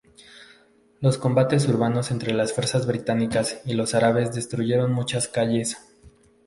Los combates urbanos entre las fuerzas británicas y los árabes destruyeron muchas calles.